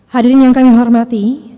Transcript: hadirin yang kami hormati